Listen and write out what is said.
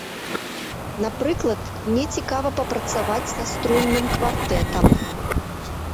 Напрыклад, мне цікава папрацаваць са струнным квартэтам.